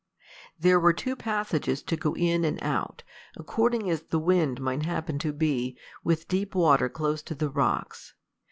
There were two passages to go in and out, according as the wind might happen to be, with deep water close to the rocks.